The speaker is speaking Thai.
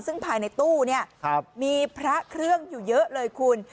ซึ่งภายในตู้เนี่ยมีพระเครื่องอยู่เยอะเลยคุณ